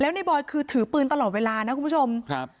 ในบอยคือถือปืนตลอดเวลานะคุณผู้ชมครับ